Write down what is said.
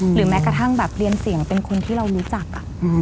แม้กระทั่งแบบเรียนเสียงเป็นคนที่เรารู้จัก